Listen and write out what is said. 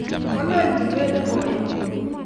Kwalany tulwet ne koi amut